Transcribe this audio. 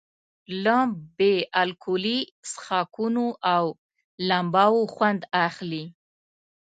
له بې الکولي څښاکونو او لمباوو خوند اخلي.